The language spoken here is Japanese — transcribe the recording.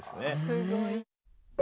すごい。